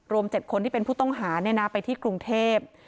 รวม๗คนที่เป็นผู้ต้องหาเนี่ยนะไปที่กรุงเทพฯ